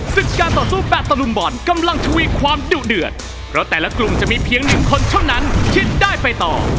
ศึกการต่อสู้แบบตะลุมบอลกำลังทวีความดุเดือดเพราะแต่ละกลุ่มจะมีเพียงหนึ่งคนเท่านั้นที่ได้ไปต่อ